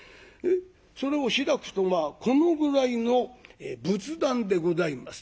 それを開くとまあこのぐらいの仏壇でございます。